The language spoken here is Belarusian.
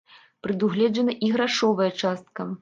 Прадугледжана і грашовая частка.